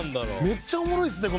めっちゃおもろいっすね